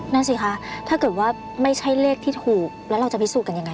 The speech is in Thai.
นั่นสิคะถ้าเกิดว่าไม่ใช่เลขที่ถูกแล้วเราจะพิสูจนกันยังไง